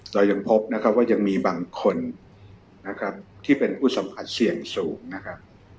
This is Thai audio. เรายังพบนะครับว่ายังมีบางคนนะครับที่เป็นผู้สัมผัสเสี่ยงสูงนะครับ